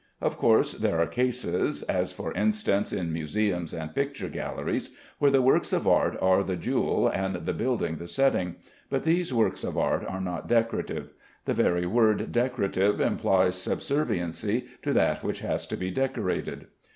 Of course, there are cases as, for instance, in museums and picture galleries where the works of art are the jewel and the building the setting; but these works of art are not decorative. The very word decorative implies subserviency to that which has to be decorated.